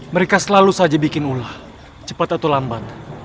mereka selalu saja bikin ulah cepat atau lambat